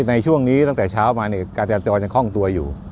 ในช่วงนี้ตั้งแต่เช้ามาการแทนตรอยังคล่องตัวอยู่